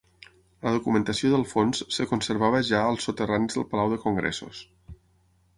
La documentació del fons es conservava ja als soterranis del Palau de congressos.